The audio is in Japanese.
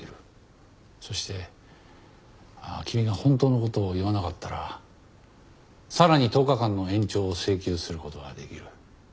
そして君が本当の事を言わなかったらさらに１０日間の延長を請求する事ができる。